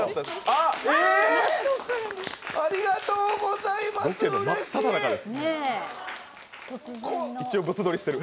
ありがとうございます、うれしい！